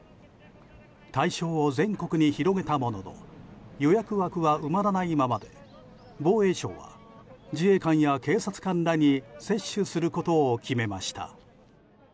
対象を全国に広げたものの予約枠は埋まらないままで防衛省は自衛官や警察官らに接種することを決めました。